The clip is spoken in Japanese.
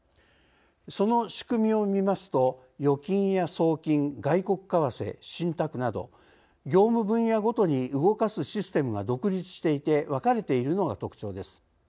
その仕組みをみますと預金や送金外国為替信託など業務分野ごとに動かすシステムが独立していて分かれているのが特徴です。